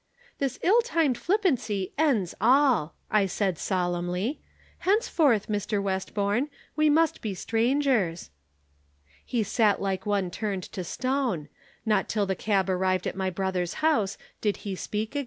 "'This ill timed flippancy ends all,' I said solemnly. 'Henceforth, Mr. Westbourne, we must be strangers.' "He sat like one turned to stone. Not till the cab arrived at my brother's house did he speak again.